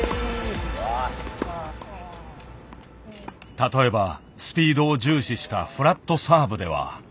例えばスピードを重視したフラットサーブでは。